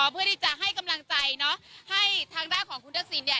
เพื่อที่จะให้กำลังใจเนอะให้ทางด้านของคุณทักษิณเนี่ย